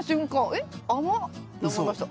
「えっ甘っ！」と思いました。